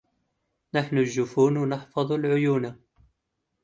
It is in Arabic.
نحن الجفون نحفظ العيونا